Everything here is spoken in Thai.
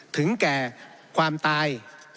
ถึงแก่ความตาย